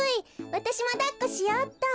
わたしもだっこしようっと。